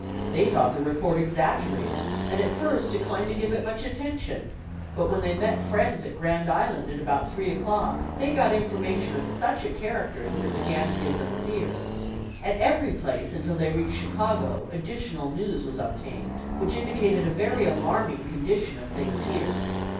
They thought the report exaggerated, and at first declined to give it much attention; but when they met friends at Grand Island at about 3 o'clock they got information of such a character that it began to give them fear. At every place until they reached Chicago additional news was obtained, which indicated a very alarming condition of things here.